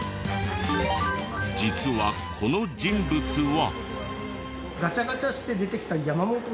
実はこの人物は！